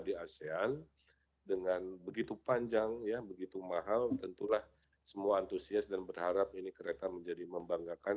dengan begitu panjang begitu mahal tentulah semua antusias dan berharap ini kereta menjadi membanggakan